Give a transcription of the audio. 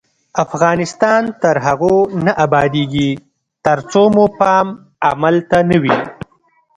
افغانستان تر هغو نه ابادیږي، ترڅو مو پام عمل ته نه وي.